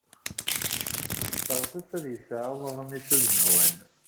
Yeɣtes ad yesɛu aɣmis udmawan.